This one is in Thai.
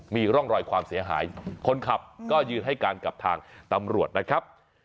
มีร่องรอยความเสียหายคนขับก็ยืนให้การกับทางตำรวจนะครับ